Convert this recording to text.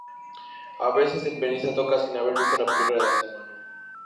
A veces, el pianista toca sin haber visto la película de antemano.